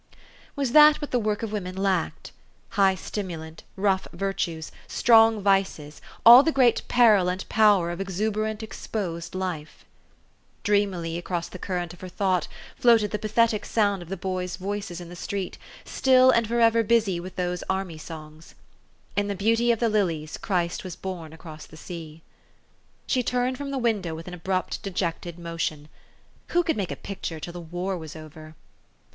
Was that what the work of women lacked? high stimulant, rough virtues, strong vices, all the great peril and power of exuberant, exposed h'fe ? Dreamily across the current of her thought, float ed the pathetic sound of the bqys' voices in the street, still and forever busy with those army songs :" In the beauty of the lilies Christ was born across the sea." She turned from the window with an abrupt, de jected motion. Who could make a picture till the war was over